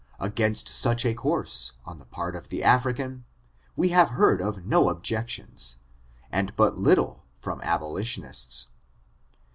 Against such a course, on the part of the African, we have heard of no objections, and but little from abolitionists.